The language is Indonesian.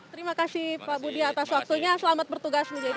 terima kasih pak budi atas waktunya selamat bertugas menjadi